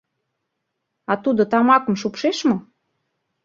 — А тудо тамакым шупшеш мо?